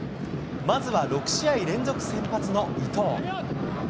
まずは６試合連続先発の伊東。